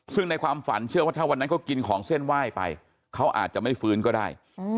ซึ่งในความฝันเชื่อว่าถ้าวันนั้นเขากินของเส้นไหว้ไปเขาอาจจะไม่ฟื้นก็ได้